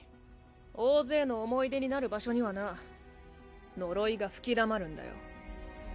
大勢の思い出になる場所にはな呪いが吹きだまるんだよ。